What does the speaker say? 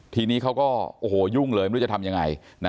ทีนี้เขาก็โอ้โหยุ่งเลยไม่รู้จะทำยังไง